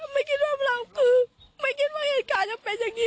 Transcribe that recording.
ไม่คิดว่าเราคือไม่คิดว่าเหตุการณ์จะเป็นอย่างนี้